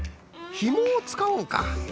ひもをつかうんか。